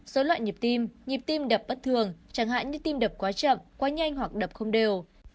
dối loạn nhịp tim nhịp tim đập bất thường chẳng hạn như tim đập quá chậm quá nhanh hoặc đập không đều